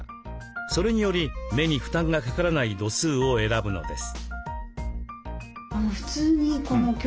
それにより目に負担がかからない度数を選ぶのです。